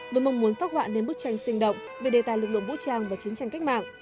với mong muốn phát hoạ đến bức tranh sinh động về đề tài lực lượng vũ trang và chiến tranh cách mạng